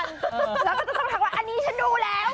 แล้วก็จะต้องทักว่าอันนี้ฉันดูแล้ว